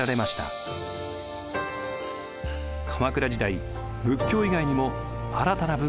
鎌倉時代仏教以外にも新たな文化が生まれています。